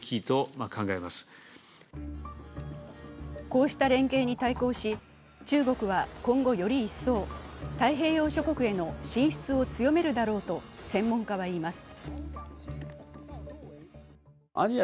こうした連携に対抗し、中国は今後より一層、太平洋諸国への進出を強めるだろうと専門家は言います。